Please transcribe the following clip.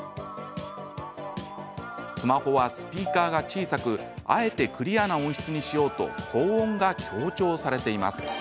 スマホはスピーカーが小さくあえてクリアな音質にしようと高音が強調されています。